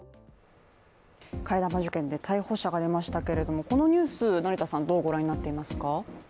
替え玉受検で逮捕者が出ましたけれども、このニュース、成田さん、どうご覧になっていますか？